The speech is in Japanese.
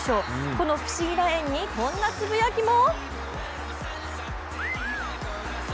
この不思議な縁にこんなつぶやきも。